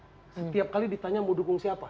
setiap kali ditanya mau dukung siapa